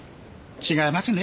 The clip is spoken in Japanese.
違いますね。